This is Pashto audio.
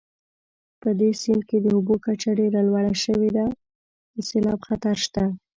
په دې سیند کې د اوبو کچه ډېره لوړه شوې د سیلاب خطر شته